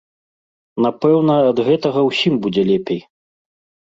Напэўна, ад гэтага ўсім будзе лепей.